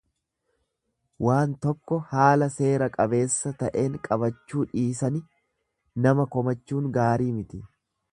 Waanta tokko haala seera qabeessa ta'een qabachuu dhiisani nama komachuun gaarii miti.